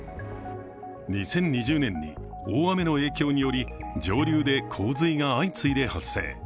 ２０２０年に大雨の影響により、上流で洪水が相次いで発生。